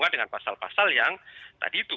dengan pasal pasal yang tadi itu